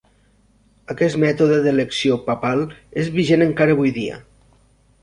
Aquest mètode d'elecció papal és vigent encara avui dia.